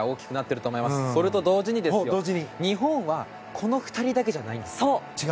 それと同時に日本はこの２人だけじゃないです。